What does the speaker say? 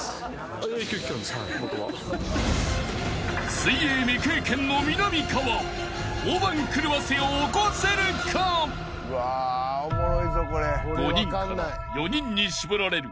［水泳未経験のみなみかわ大番狂わせを起こせるか？］